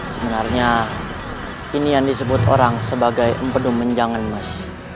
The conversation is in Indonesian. sebenarnya ini yang disebut orang sebagai empedu menjangan mas